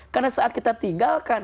karena saat kita tinggalkan